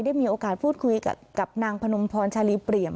ได้มีโอกาสพูดคุยกับนางพนมพรชาลีเปรียม